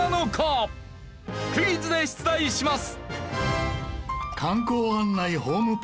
クイズで出題します。